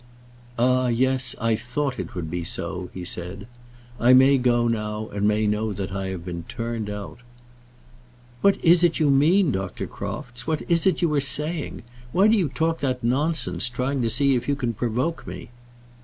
"Ah, yes! I thought it would be so," he said. "I may go now, and may know that I have been turned out." "What is it you mean, Dr. Crofts? What is it you are saying? Why do you talk that nonsense, trying to see if you can provoke me?"